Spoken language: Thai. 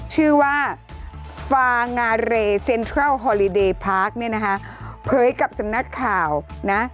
ชื่อว่าฟางาเรเซ็นทรัลฮอลลิเดยพาร์คเนี่ยนะคะเผยกับสำนักข่าวนะ